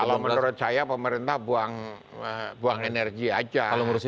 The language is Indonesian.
kalau menurut saya pemerintah buang energi aja